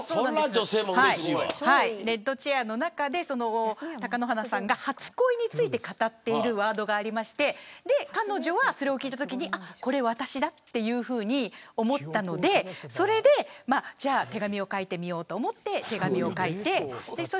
ＲＥＤＣｈａｉｒの中で貴乃花さんが初恋について語っているワードがありまして彼女がそれを聞いたときに私だというふうに思ったのでそれで手紙を書いてみようと思って、手紙を書いてそ